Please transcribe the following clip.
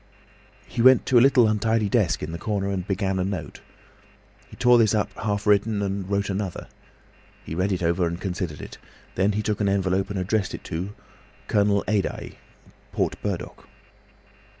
He went to a little untidy desk in the corner, and began a note. He tore this up half written, and wrote another. He read it over and considered it. Then he took an envelope and addressed it to "Colonel Adye, Port Burdock."